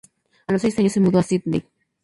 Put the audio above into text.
A los seis años se mudó a Sídney.